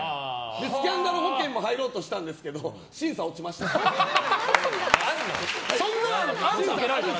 スキャンダル保険も入ろうとしたんですけどもそんなのあるんだ。